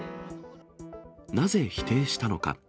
なぜ否定したのか。